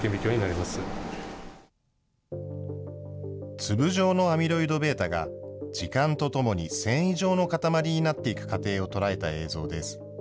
粒状のアミロイドβが、時間とともに繊維状の固まりになっていく過程を捉えた映像です。